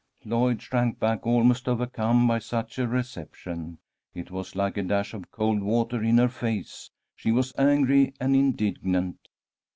Lloyd shrank back, almost overcome by such a reception. It was like a dash of cold water in her face. She was angry and indignant.